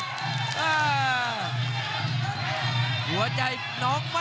คมทุกลูกจริงครับโอ้โห